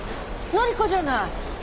乃里子じゃない！